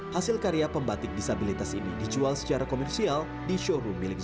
hasil karya pembatik disabilitas ini dijual secara komersial di showroom milik